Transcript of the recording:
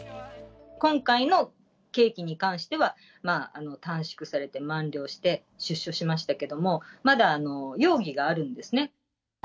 今回の刑期に関しては、短縮されて満了して出所しましたけども、まだ容疑があるんですね。